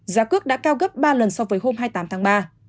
giá cước đã cao gấp ba lần so với hôm hai mươi tám tháng ba